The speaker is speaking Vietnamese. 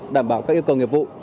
đảm bảo các yêu cầu nghiệp vụ